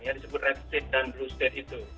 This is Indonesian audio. yang disebut red state dan blue state itu